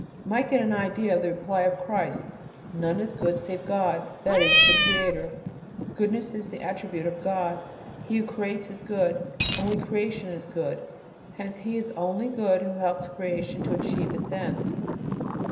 might get an idea from the reply of Christ: "None is good save God," that is, the Creator. Goodness is the attribute of God. He who creates is good, only creation is good. Hence he only is good who helps creation to achieve its ends.